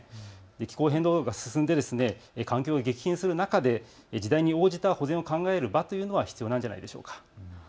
気候変動が進んで環境が激変する中で時代に応じた保全を考えるという場が必要なのではないでしょうか。